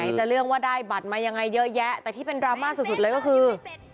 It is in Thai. จะเรื่องว่าได้บัตรมายังไงเยอะแยะแต่ที่เป็นดราม่าสุดเลยก็คือ